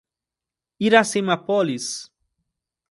Iracemápolis